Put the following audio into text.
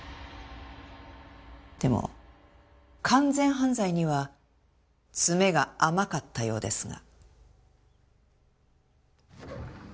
でも完全犯罪には詰めが甘かったようですが。